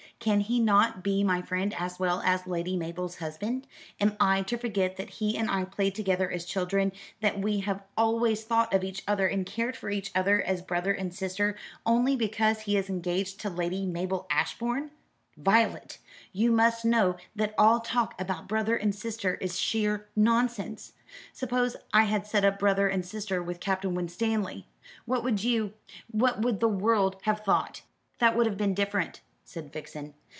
Can he not be my friend as well as Lady Mabel's husband? Am I to forget that he and I played together as children, that we have always thought of each other and cared for each other as brother and sister, only because he is engaged to Lady Mabel Ashbourne?" "Violet, you must know that all talk about brother and sister is sheer nonsense. Suppose I had set up brother and sister with Captain Winstanley! What would you what would the world have thought?" "That would have been different," said Vixen.